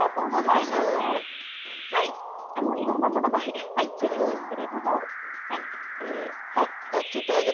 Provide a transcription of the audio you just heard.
いろんなものが入っているんですけれども。